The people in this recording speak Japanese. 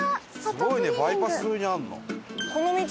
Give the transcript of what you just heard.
すごいねバイパス沿いにあるの？